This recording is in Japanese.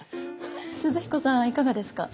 寿々彦さんはいかがですか？